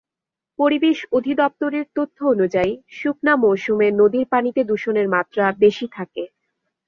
পরিবেশ অধিদপ্তরের তথ্য অনুযায়ী শুকনা মৌসুমে নদীর পানিতে দূষণের মাত্রা বেশি থাকে।